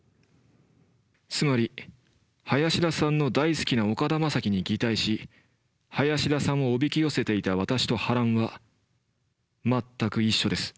つまり林田さんの大好きな岡田将生に擬態し林田さんをおびき寄せていた私とハランは全く一緒です。